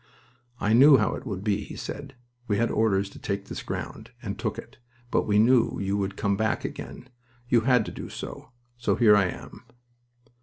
"I knew how it would be," he said. "We had orders to take this ground, and took it; but we knew you would come back again. You had to do so. So here I am."